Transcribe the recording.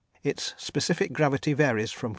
Its specific gravity varies from 4.